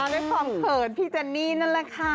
ด้วยความเขินพี่เจนนี่นั่นแหละค่ะ